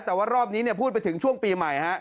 แต่ว่ารอบนี้พูดไปถึงช่วงปีใหม่ฮะ